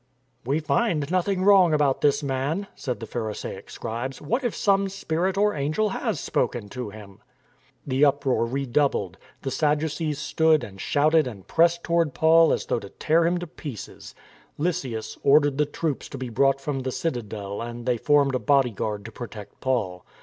" We find nothing wrong about this man," said the Pharisaic scribes. " What if some spirit or angel has spoken to him? " The uproar redoubled; the Sadducees stood and shouted and pressed toward Paul as though to tear him to pieces. Lysias ordered the troops to be brought from the citadel and they formed a bodyguard to protect Paul.